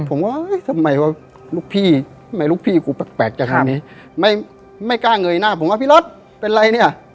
ผมว่าทำไมลูกพี่กูแปลกจากทางนี้ไม่กล้าเงยหน้าผมว่าพี่รถเป็นไรเนี่ย